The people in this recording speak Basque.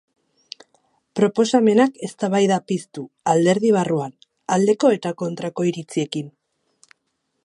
Proposamenak eztabaida piztu alderdi barruan, aldeko eta kontrako iritziekin.